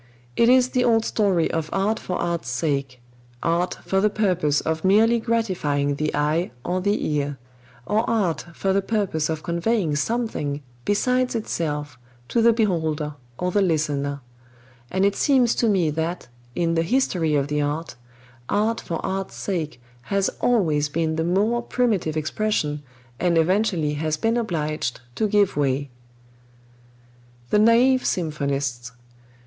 It is the old story of art for art's sake art for the purpose of merely gratifying the eye or the ear or art for the purpose of conveying something besides itself to the beholder or the listener; and it seems to me that, in the history of the art, art for art's sake has always been the more primitive expression and eventually has been obliged to give way. The Naive Symphonists.